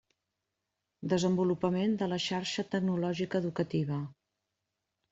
Desenvolupament de la Xarxa Tecnològica Educativa.